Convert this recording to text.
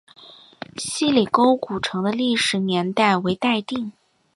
希里沟古城的历史年代为待定。